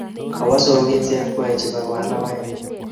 Kawo soget Chepkoech ipkoal logoek